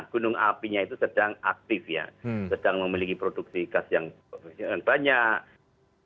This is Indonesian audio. gunung apinya itu sedang aktif ya sedang memiliki produksi gas yang banyak